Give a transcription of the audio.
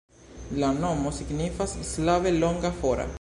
La nomo signifas slave longa, fora.